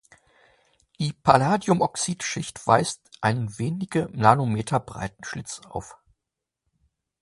Die Palladiumoxid-Schicht weist einen wenige Nanometer breiten Schlitz auf.